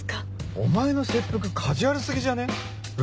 お前の切腹カジュアル過ぎじゃね？